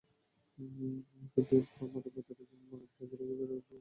কিন্তু এরপর মাদক পাচারের মামলায় ব্রাজিলে গিয়ে ফের তাঁকে জেল খাটতে হবে।